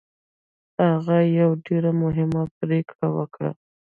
هغه یوه ډېره مهمه پرېکړه وکړه